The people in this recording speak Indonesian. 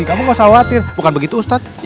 kamu gak khawatir bukan begitu ustadz